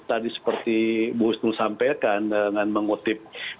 tadi seperti bu husnu sampaikan dengan mengutip